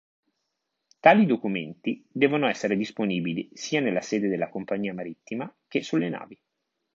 Tali documenti devono essere disponibili sia nella sede della compagnia marittima che sulle navi.